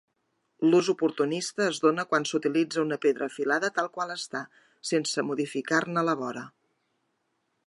L'ús oportunista es dóna quan s'utilitza una pedra afilada tal qual està, sense modificar-ne la vora.